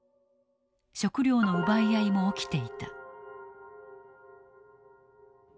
食料の奪い合いも起きていた。